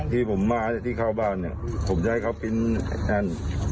ที่ผมมาที่เข้าบ้านเนี่ยผมจะให้เขาปริ้นต์นั่น